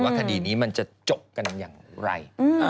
คดีนี้มันจะจบกันอย่างไร